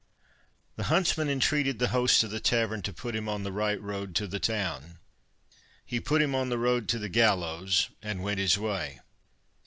The huntsman entreated the host of the tavern to put [Pg 94] him on the right road to the town. He put him on the road to the gallows, and went his way.